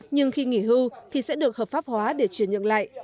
nhưng khi nghỉ hưu thì sẽ được hợp pháp hóa để truyền nhận lại